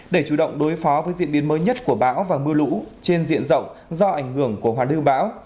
để chủ động đối phó với diễn biến mới nhất của bão và mưa lũ trên diện rộng do ảnh hưởng của hoàn lưu bão